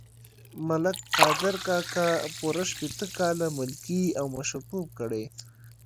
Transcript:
ملک قادر کاکا پوره شپېته کاله ملکي او مشرتوب کړی.